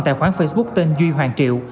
tài khoản facebook tên duy hoàng triệu